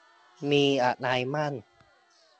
มีอะไรบ้าง